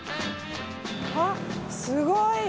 あっすごい。